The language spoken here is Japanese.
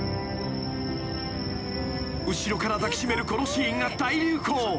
［後ろから抱き締めるこのシーンが大流行］